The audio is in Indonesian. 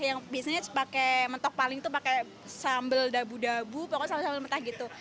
yang biasanya pakai mentok paling tuh pakai sambal dabu dabu pokoknya sambal sambal mentah gitu